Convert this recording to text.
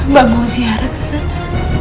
mbak mau zihara kesana